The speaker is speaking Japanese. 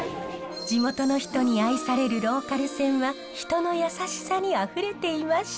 地元の人に愛されるローカル線は人の優しさにあふれていました。